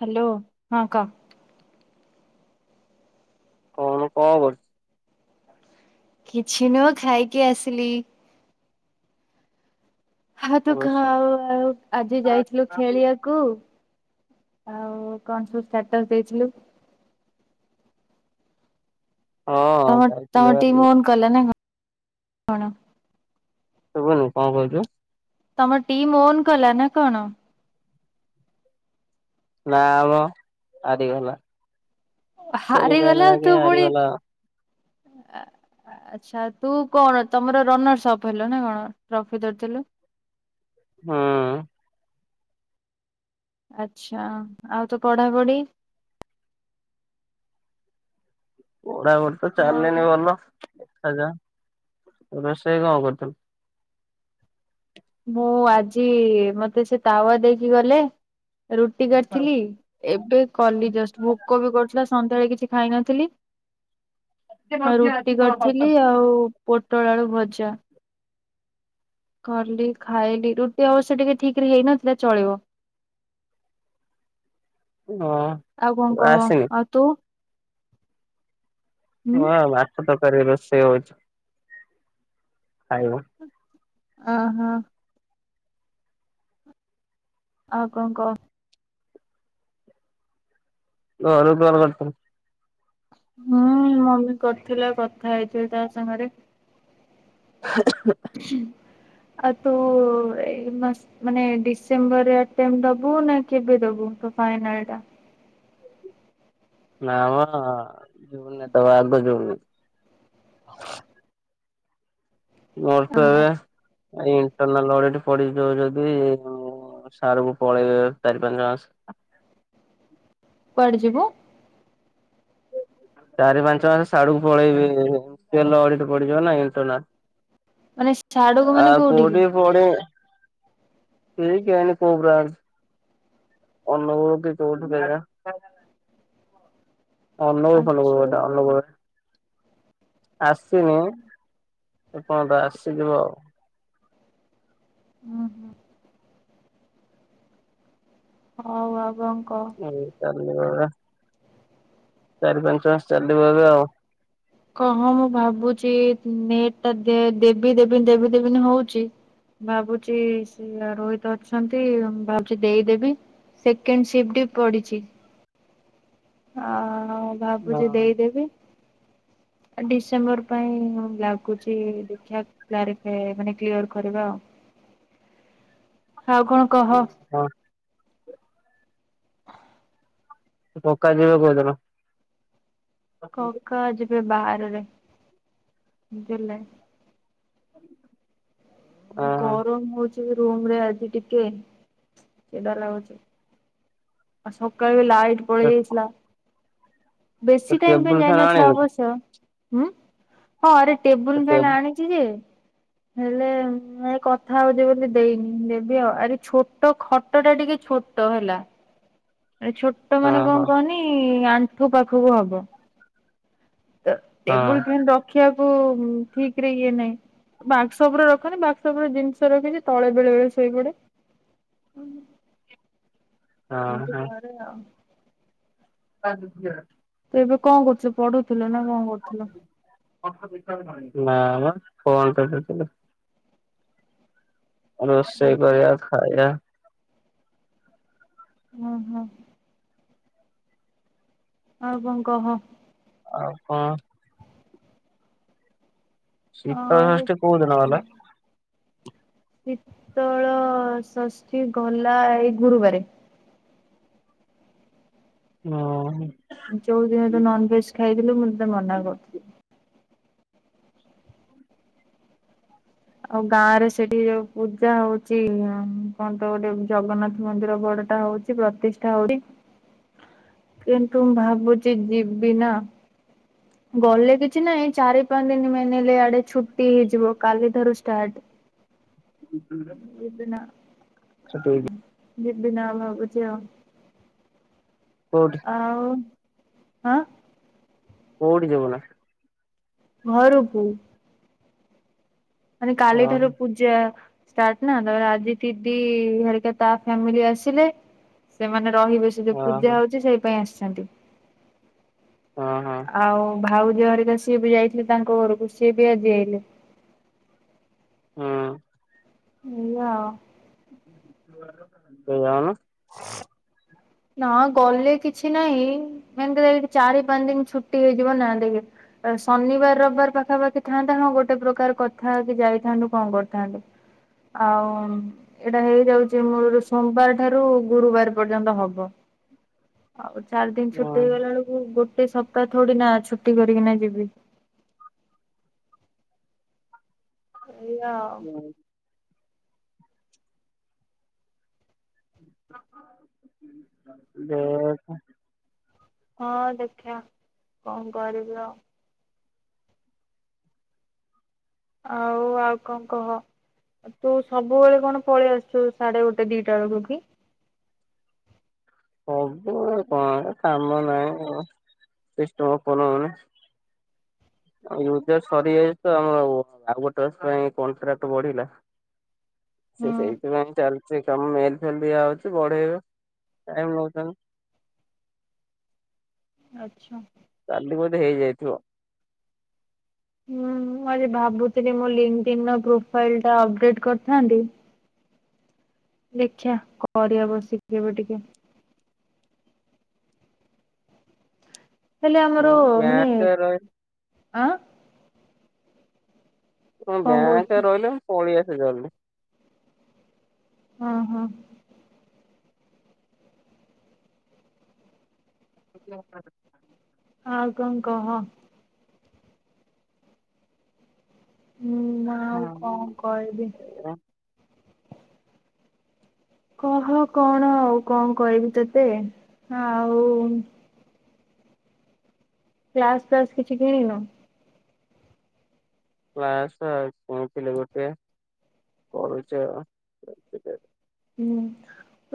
Hello ହଁ କ। କଣ କହ କରଛି [unintelligible] କିଛି ନୁହଁ ଖାଇକି ଆସିଲି ହ ତୁ ଖ କରୁଛୁ? ଆଉ ଆଉ ଆଜି ଯାଇଥିଲୁ ଖେଳିବାକୁ ଆଉ କଣ ସବୁ ଷ୍ଟାଟସ୍ ଦେଇଥିଲୁ। ହଁ ତମ ଯାଇଥିଲି ତମ ବା ଟିମ୍ ଓନ୍ କଲେ ନା କଣ କଣ ଶୁଭୁନି କଣ କହୁଚୁ ତମ ଟିମ୍ ଓନ୍ କଲା ନା କଣ ନା ମ ହାରିଗଲା। ଖେଳି ହାରିଗଲା ପାଇଲାନି କି ତୁ ପୁଣି ହାରିଗଲା ଆ ଆଚ୍ଛା ତୁ କଣ ତମର ରନର୍ସ ଅପ୍ ହେଲ ନା କଣ ଟ୍ରଫି ଧରିଥିଲୁ। ହଁ। ଆଛା ଆଉ ତ ପଢାପଢି ପଢାପଢ଼ି ତ ହଉ। ଚାଲିନି ଭଲ। [unintelligible] ରୋଷେଇ କଣ କରିଥିଲୁ। ମୁଁ ଆଜି ମତେ ସେ ତାୱା ଦେଇକି ଗଲେ ରୁଟି କରିଥିଲି ଏବେ କଲି ଜଷ୍ଟ ଭୋକ ବି କରୁଥିଲା ସନ୍ଧ୍ୟାବେଳେ କିଛି ଖାଇ ନଥିଲି ରୁଟି କରିଥିଲି ଆଉ ପୋଟଳଆଳୁ ଭଜା। କଲି ଖାଇଲି ରୁଟି ଅବଶ୍ୟ ଟିକେ ଠିକ ରେ ହେଇନଥିଲା ଚଳିବ ହଁ ଆଉ କଣ କହ ଆସିନି ଆଉ ତୁ ହୁଁ ହଁ [unintelligible] ଘରେ ରୋଷଇ ହଉଚି। [unintelligible] ଅ ହୋ। ଆଉ କଣ କହ [unintelligible] ହୁଁ ମମି କରିଥିଲା କଥା ହେଇଥିଲି ତା ସାଙ୍ଗରେ। [inaudible] ଆଉ ତୁ ଏ ମା ମାନେ ଡିସେମ୍ବର [unintelligible] ଦବୁ ନା କେବେ ଦବୁ ଫାଇନା ଟା। [unintelligible] ମୋର ତ ଅହୋ ଏବେ ଇଣ୍ଟରନାଲ [unintelligible] ପଳେଇବେ ଚାରି ପାଞ୍ଚ ମାସ। କୁଆଡେ ଯିବୁ ଚାରି ପାଞ୍ଚ ମାସ [unintelligible] ପଳେଇବି [unintelligible] ପଡିଯିବ ନା ମାନେ ସାଡକୁ ଇଣ୍ଟର୍ଣାଲ। ଆ ମାନେ କୋଉଠିକି? [unintelligible] ଠିକ ହେଇନି କୋଉ ବ୍ରାଞ୍ଚ ଅନୁଗୁଳ କି [unintelligible] ଆଚ୍ଛା [unintelligible] ଆସିନି ଏପନ୍ତ ଆସିଯିବ ଆଉ। ହୁ ହୁ ହଉ ଆଉ କଣ କହ? ହୁ ଚାଲ। [unintelligible] ଚାରି ପାଞ୍ଚ ମାସ ଚାଲିବ ଏବେ ଆଉ। କହ ମୁଁ ଭାବୁଛି ନେଟ ଟା ଦେବି ଦେବିନ ଦେବି ଦେବିନ ହଉଛି ଭାବୁଛି ସେ ରୋହିତ ଅଛନ୍ତି ମୁ ଭାବୁଛି ଦେଇଦବି ସେକେଣ୍ଡ ସିଫ୍ଟ ବି ପଡିଚି। ଆ ଆ। ହଁ ହଁ ଭାବୁଛି ଦେଇଦେବି। ଡିସେମ୍ବର ପାଇଁ ଲାଗୁଛି ଦେଖିବା କ୍ଲାରିଫାୟ ମାନେ କ୍ଲିୟର କରିବା ଆଉ। ଆଉ କଣ କହ? ହଁ ପକ୍କା ଯିବ କୋଉଦିନ। କ ହଁ କା ଜି। ଏ ବାଆରରେ ବୁଝିଲେ। [unintelligible] ଗରମ ହଉଛି। ଟିକେ ରୁମ ରେ ଆଜି ଟିକେ କେଦା ଲାଗୁଛି। ଆସ କାବଲେ। ଲାଇଟ୍ ପଳେଇ ହଁ ଯାଇଥିଲା। ବେସି ଟାଇମ ପାଇଁ ଟେବୁଲ ଫ୍ୟାନ ଯାଇନଥିଲା ଆଣିନୁ ଅବସ୍ୟ। ଉ ହଁରେ ଟେବୁଲ ଫ୍ୟାନ ଆଣିଛି ଯେ ହେଲେ କଥା ହଉଛି ବୋଲି ଦେଇନି ଦେବି ଆଉ ଆରେ ଛୋଟ ଖଟଟା ଟିକେ ଛୋଟ ହେଲା। ଛୋଟ ହଁ ମାନେ କଣ ହଁ କହନି ଆ ତୁ ପାଖୁକୁ ହବ। ତ ଟେବୁଲ ହଁ ପ୍ରିନ୍ ରଖିବାକୁ ସବୁ ଠିକରେ ଇଏ ନାହିଁ ବାକ୍ସଉପରେ ରଖନ୍ତି ବାକ୍ସଉପରେ ଜିନିଷ ରଖିଛି ତଳେ ବେଳେବେଳେ ଶୋଇପଡେ। ହଁ ଏମତି ହଁ କରେ ଆଉ। [inaudible] ଏବେ କଣ କରୁଚୁ? ପଢୁଥୁଲ ନା କଣ କରୁଥୁଲ? ଫୋନ୍ କରିଦେଇ। ରୋଷେଇ କରିବା ଖା ଆଜ୍ଞା। ହଁ ହଁ। ଆଉ କଣ କହ। ଆଉ କଁ? ଶୀତଳ ଆଉ ଷଷ୍ଠୀ କୋଉ ଦିନ ଗଲା? ଶୀତଳ ଷଷ୍ଠୀ ଗଲା ଏଇ ଗୁରୁବାରେ। ହଁ। ଯେଉଁ ଦିନ ତୁ ନନ୍ ଭେଜ ଖାଇଥିଲୁ, ମୁଁ ତତେ ମନା କରୁଥିଲି। ଆଉ ଗାଁ ରେ ସେଠି ଯେଉଁ ପୂଜା ହଉଚି କଣ ତ, ଗୋଟେ ଜଗନ୍ନାଥ ମନ୍ଦିର ବଡ଼ଟା ହଉଚି, ପ୍ରତିଷ୍ଠା ହଉଚି କିନ୍ତୁ ଭାବୁଚି ଯିବି ନା, ଗଲେ କିଛି ନାହିଁ, ଚାରି ପାଞ୍ଚ ଦିନ ମେନ ହେଲେ ଆଡ଼େ ଛୁଟି ହୋଇଯିବ କାଲି। ତରୁ ଷ୍ଟାର୍ଟ। ୟୁଟ୍ୟୁବ ରେ ଯିବି ଆଛା ଠିକ୍। ବିବିନା ଭାବୁଚି ଆଉ। କୋଉଠି ଆଉ, ଆଁ। କୋଉଠି ଜିବୁନା? ଘରୁକୁ। ମାନେ କାଲିଠାରୁ ଓହୋ ପୂଜା ଷ୍ଟାର୍ଟ ନା ତାପରେ ଆଜି ଦିଦି ହେରିକା ତା ଫ୍ୟାମିଲି ଆସିଲେ। ସେମାନେ ରହିବେ। ସେ ଯୋଉ ପୂଜା ଓହୋ ହଉଚି ସେଇ ପାଇଁ ଆସି ନାଁ ତୁ ହଁ ହଁ ଆଉ, ଭାଉଜ ହେରିକା ସିଏବି ଯାଇଥିଲେ ତାଙ୍କ ଘରକୁ, ସିଏ ବି ଆଜି ଆଇଲେ। ହୁଁ। ନିଅ। ତୁ ଆଉନୁ। ନା ଗଲେ କିଛି ନାହିଁ। ମେନ୍ କଥା ଏ ଚାରି, ପାଞ୍ଚ ଦିନି ଛୁଟି ହେଇଯିବ। ନା, ଦେଖେ ଶନିବାର, ରବିବାର ପାଖାପାଖି ଥାଆନ୍ତା। ହଁ, ଗୋଟେ ପ୍ରକାର କଥା ହେଇକି ଯାଇଥାନ୍ତୁ, କଣ କରିଥାନ୍ତୁ। ଆଉ ଏଟା ହେଇଯାଉଛି ମୋର ସୋମବାର ଠାରୁ ଗୁରୁବାର ପର୍ଯ୍ୟନ୍ତ ହବ୍। ବ ଆଉଟ୍। ଚାର ଦିନି ଛୁଟି ହଁ ହେଇଗଲାଳକୁ ଗୋଟ୍ ଏ ସପ୍ତାହ ଥୋଡ଼ି ନା ଛୁଟି କରିକିନା ଯିବି। ସେଇଆଉ। ଦେ ଏ ଖେ ହଁ ଦେଖିୟା କଣ କରିବି ଆଉ। ଆଉ, ଆଉ ଙ୍କ କହ, ତୁ ସବୁବେଳେ କଣ ପଳେଇ ଆସୁଛୁ, ସାଢ଼େ ଗୋଟେ ଦିଟା ବେଳକୁ କି? ସବୁବେଳେ କଣ କାମ ନାହିଁ ସିଷ୍ଟମ୍ ଓପନ୍ ହଉନି। ୟୁଜର୍ ସାରିଯାଇଛି, ତ ଆମର ଓ ଆଉ ଗୋଟେ ମାସ ପାଇଁ କନ୍ଟ୍ରାକ୍ଟ ବଢ଼ିଲା। ହୁଁ ସେ ସେଇଥିପାଇଁ ଚାଲିଛି। ତମ ମେଲ୍ ଫେଲ୍ ଦିଆ ହେଉଚି, ବଢ଼େଇବେ ଟାଇମ୍ ନଉଚନି। ଆଛା। କାଲି ବୋଧେ ହେଇଯାଇଥିବ? ହୁଁ, ମୁଁ ଆଜି ଭାବୁଥିଲି ମୋ ଲିଙ୍କଦିନ୍ ‌ର ପ୍ରୋଫାଇଲ୍‌ଟା ଅପଡେଟ୍ କରିଥାନ୍ତି। ଦେଖିଆ, କରିବା ବସିକି ଏବେ ଟିକେ। ହେଲେ ଆମର ହଁ ମାନେ, ବ୍ୟାଙ୍କ ରହ ଆଁ କଣ ବ୍ୟାଙ୍କ ରହିଲେ ପଳିଆ ଜରୁରୀ ହଁ ହଁ। [unintelligible] ହଁ ଅଉ କଣ କହ? ହୁଁ ମା ଆଉ କଣ ହଁ କହିବି? କହ କଣ ଆଉ କଣ କରହିବି ତତେ ଆଉ ଗ୍ଲାସ ଫ୍ଲାସ କିଛି କିଣିନୁ? କ୍ଲାସ କରିଥିଲି ଗୋଟେ କରୁଛ ଅଉ। ହୁଁ ମୁଁ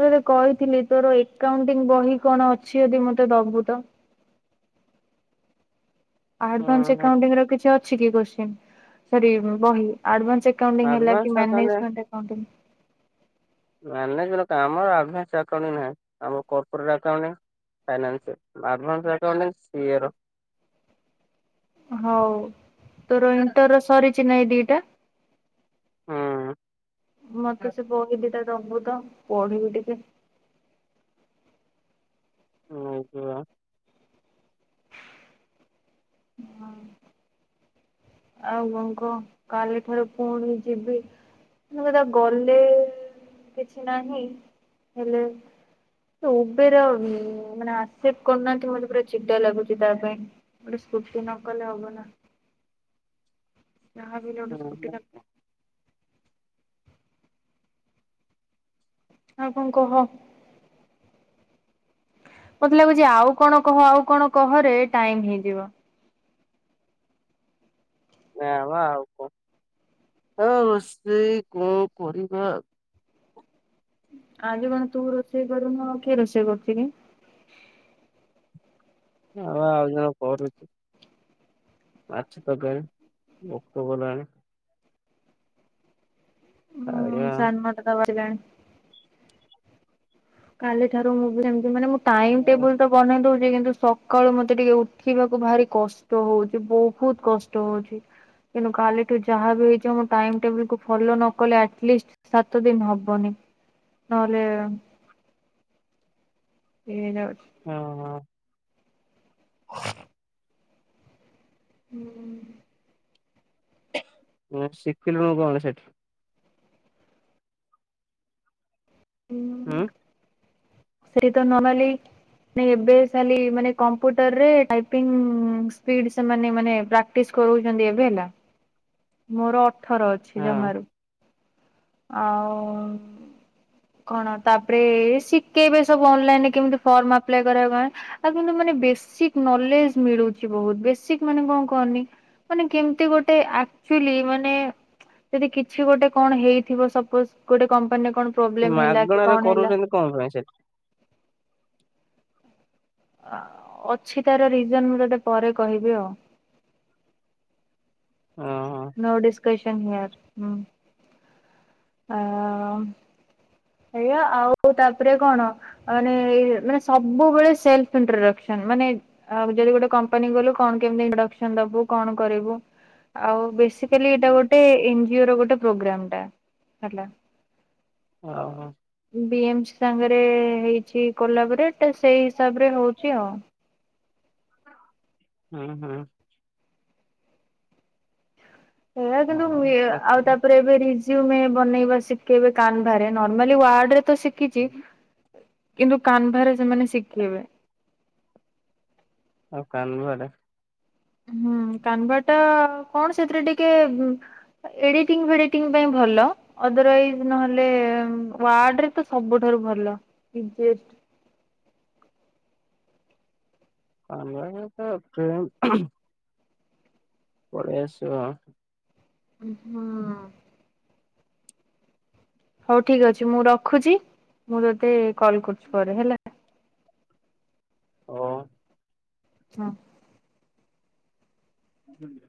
ତତେ କହିଥିଲି ତୋର ଏକାଉଣ୍ଟିଂ ବହି କଣ ଅଛି ଯଦି ମତେ ଦବୁ ତ? ହଁ ଆଡ଼ଭାନ୍ସ ହଁ ଆକାଉଣ୍ଟିଙ୍ଗ ର କିଛି ଅ ଅଛି କି କ୍ୱଶ୍ଚିନ ସରି ବହି ଆଡ଼ଭାନ୍ସ ନ୍ସ ଏକାଉଣ୍ଟିଂ ହେଲା କି ଆଡଭାନ୍ସ ଆକାଉଣ୍ଟ ମାନେଜମେଣ୍ଟ ଏକାଉଣ୍ଟିଂ ହେଲା। ମ୍ୟାନେଜର କାମ ଏଡଭାନ୍ସ ଆକାଉଣ୍ଟ ନାହିଁ। ଆଉ ମୋର କର୍ପୋରେଟର ଆକାଉଟିଙ୍ଗ ଫାଇନାନ୍ସ ଏଡଭାନ୍ସ ଆକାଉଟିଙ୍ଗ ସିଏ ର ହଉ ତୋର ଏଣ୍ଟର ସରିଚି ଚିନା ଏଇ ଦିଇଟା ହୁଁ ମତେ ସେ ବହି ଦିଇଟା ଦବୁ ତ ପଢିବି ଟିକେ ବୁଝିବା ହଁ ଆଉ କଣ କହ କାଲି ଠାରୁ ପୁଣି ଯିବି କଥା ଗଲେ ଅଉ କଣ କହ କାଲିଠାରୁ ଫୁଣୀ ଯିବି ଗଲେ କିଛି ନାହିଁ ହେଲେ ସେ ଉବେର ମାନେ ଅସପେଟ କରୁନାହାନ୍ତି ମତେ ପୁରା ଚିଡା ଲାଗୁଛି ତା ପାଇଁ ଗୋଟେ ଫୁର୍ତି ନକଲେ ହବ ନା? ଯହା ବି ହେଲେ ସ୍କୁଟି ଦରକାର ଆଉ କଣ କହ? ମୋତେ ଲାଗୁଛି ଆଉ କଣ କହ ଆଉ କଣ କହରେ ଟାଇମ ହେଇଯିବ। ନା ବା ଆଉ କଣ ଅଶଛି କଣ କରିବା। ଆଜି କଣ ତୁ ରୋଷେଇ କରୁନୁ କିଏ ରୋଷେଇ କରୁଛି କି? ହଉ ଆଉ ଜଣେ କରୁଛି ମାଛ ତରକରି ଭୋକ କ ଲାଣି। ହୁଁ ଖାଇବା। ସାନ ଦାଦା [unintelligible] କାଲି ଠାରୁ ମୁଁ ବି ଏମିତି ମାନେ ଟାଇମ ହଁ ଟେବୁଲ ତ ବନେଇ ଦଉଛି କିନ୍ତୁ ସକାଳୁ ମତେ ଟିକେ ଉଠିବାକୁ ଭାରି କଷ୍ଟ ହୋଉଛି ବହୁତୁ କଷ୍ଟ ହଉଚ କିନ୍ତୁ କାଲିଠୁ ଯାହା ବି ହେଇଛିମ ଟାଇ ଟେବଲ କୁ ଫଲୋ ନ କଲେ ଆଟଲିଷ୍ଟ ସାତ ଦିନ ହବନି ନହେଲେ। [unintelligible] ହଁ ହଁ। ହୁଁ। ଶିଖିଲୁଣିୁ କଣ ସେଇଠି? ଉଁ। ସେଇତ ନରମାଲୀ [inaudible] ମାନେ କୋମ୍ପୁଟର ରେ ଟିପିଙ୍ଗ ସ୍ପୀଡ଼ ପ୍ରାଟୀସ କରୁଛନ୍ତି ହେଲା। ମୋର ଥର ଅଛି ହଁ। ଜମାରୁ ଆଉ କଣ ତାପରେ ଶିଖେଇବେ ସବୁ ଅନଲାଇନରେ କେମତି ଫର୍ମପ୍କୁ ଆପ୍ଲାଏ କରାଏ କ ଆଉ କିନ୍ତୁ ମାନେ ବେସିକ୍ ନଲେଜ ମିଳୁଛି ବହୁତ ବେସିକ୍ ମାନେ କଣ କହନି ମାନେ କେମିତି ଗୋଟେ ଆକଚୁଲି ମାନେ ଯଦି କିଛି ଗୋଟେ କଣ ହେଇ ଥିବ ସପୋଜ ଗୋଟେ କ ସେ ମାଗଣାରେ କରୁଛନ୍ତି କଣ ପାଇଁ ସେଠି ଅଛି ତାର ରିଜନ ମୁଁ ତତେ ପରେ କହିବି ଆଉ ହଁ ହଁ। ନଡି କେସନ ହୟାର ହୁଁ ଆ ଏଇଆ ଆଉ ତାପରେ କଣ ମାନ ମାନେ ସବୁବେଳେ ସେଲ୍ଫ ଇଣ୍ଟ୍ରଡକସନ ମାନେ ଯଦି ଗୋଟେ କମ୍ପାନୀ ଗଲୁ କଣ କେମତି କଣ କରିବୁ ଆଉ ବେଶିକାଲି ଏଟା ଗୋଟେ ଏଞ୍ଜିଓର ଗୋଟେ ପ୍ରୋଗ୍ରାମଟା ହେଲା। ଓ ହୋ ବିମସି ସାଙ୍ଗରେ ହେଇଛି କୋଲାପରେଟ ସେଇ ହିସାବରେ ହଉଛି ଆଉ ହୁଁ ହୁଁ ହେଇଆ କିନ୍ତୁ ହଁ ଦେଖ ଆଉ ତାପରେ ଏ ରିଯୁମ୍ଏ ବନେଇବା ସି କେବେ କାନଭାରେ ନରମଲିୱାର୍ଡ୍ରେ ତ ଶିଖିଛି କିନ୍ତୁ କାନ୍ଭାରେ ସେମାନେ ଶିଖିବେ ଆଉ କାନଭାରେ ହୁଁ କାନଭା ଟା କଣ ସେଥିରେ ଟିକେ ଏଡିଟିଂ ଫେଡିଟି ପାଇଁ ଭଲ ଅଦୱାଇଜ ନହେଲେ ାର୍ରେ ତ ସବୁଠାରୁ ଭଲ କମ ଏପ ଫ୍ରେମ୍ ପରେଇ ଆସିବ ହଁ ହଉ ଠିକ ଅଛି ମୁଁ ରଖୁଛି ମୁଁ ତତେ କଲ୍ କରୁଛି ପରେ ହେଲା ହଁ ହଁ ହୁଁ [unintelligible]